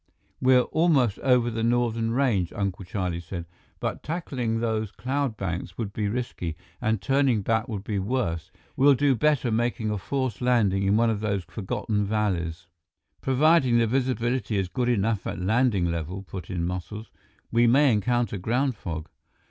"We're almost over the northern range," Uncle Charlie said. "But tackling those cloud banks would be risky, and turning back would be worse. We'll do better making a forced landing in one of those forgotten valleys." "Provided the visibility is good enough at landing level," put in Muscles. "We may encounter ground fog."